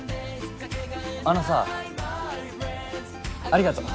あのさありがとう。